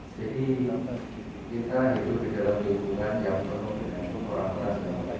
jadi kita hidup di dalam kehidupan yang penuh dengan suku orang orang